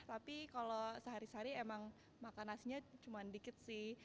nasi kalau sehari hari emang makan nasinya cuma dikit sih